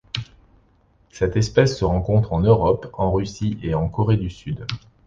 Cette espèce se rencontre en Europe, en Russie et en Corée du Sud.